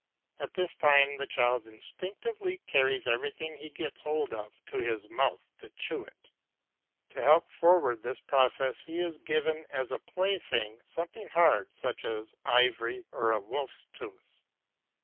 At this time the child instinctively carries everything he gets hold of to his mouth to chew it. To help forward this process he is given as a plaything some hard object such as ivory or a wolf's tooth.